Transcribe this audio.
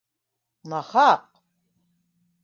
Нахаҡ!